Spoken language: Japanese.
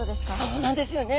そうなんですよね。